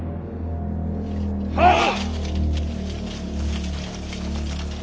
はっ！